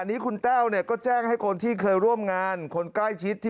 นี้คุณแต้วเนี่ยก็แจ้งให้คนที่เคยร่วมงานคนใกล้ชิดที่